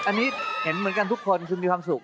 อันนี้เห็นเหมือนกันทุกคนคือมีความสุข